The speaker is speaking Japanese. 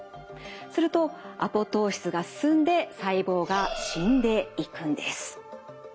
するとアポトーシスが進んで細胞が死んでいくんです。